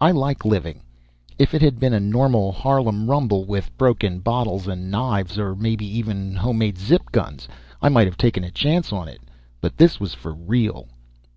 I like living. If it had been a normal Harlem rumble with broken bottles and knives, or maybe even home made zip guns I might have taken a chance on it, but this was for real.